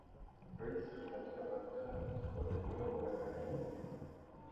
risto katika baghdad walikuwepo katika enzi